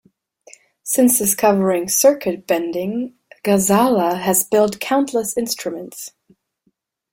Since discovering circuit bending, Ghazala has built countless instruments.